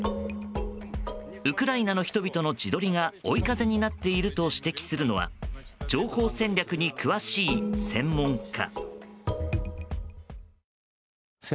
ウクライナの人々の自撮りが追い風になっていると指摘するのは情報戦略に詳しい専門家。